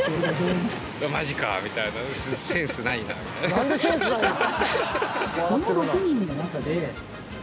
［何でセンスないねん！］